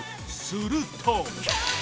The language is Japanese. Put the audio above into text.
すると。